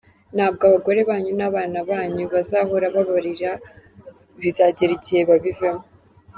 Ntabwo abagore banyu n’abana banyu bazahora babaririra bizagera igihe babivemo.